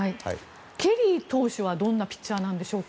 ケリー投手はどんなピッチャーなんでしょう。